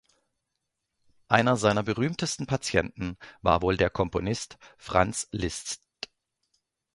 Einer seiner berühmtesten Patienten war wohl der Komponist Franz Liszt.